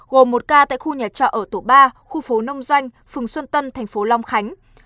gồm một ca tại khu nhà trọ ở tổ ba khu phố nông doanh phường xuân tân thành phố long khánh